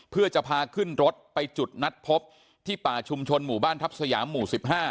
เพื่อจะพาขึ้นรถไปจุดนัดพบที่ป่าชุมชนหมู่บ้านทัพสยามหมู่๑๕